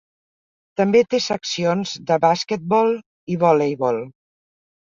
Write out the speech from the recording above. També té seccions de basquetbol i voleibol.